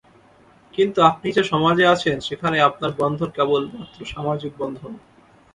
কিন্তু আপনি যে সমাজে আছেন সেখানে আপনার বন্ধন কেবলমাত্র সামাজিক বন্ধন।